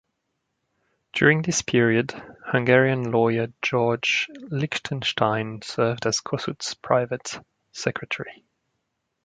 During this period, Hungarian lawyer George Lichtenstein served as Kossuth's private secretary.